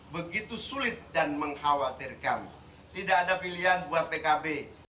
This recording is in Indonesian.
begitu sulit dan mengkhawatirkan tidak ada pilihan buat pkb